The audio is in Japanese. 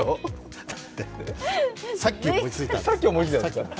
だってさっき思いついたんです。